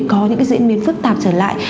có những diễn biến phức tạp trở lại